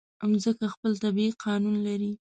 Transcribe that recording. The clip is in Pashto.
مځکه خپل طبیعي قانون لري.